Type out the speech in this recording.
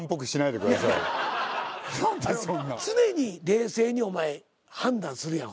常に冷静にお前判断するやん。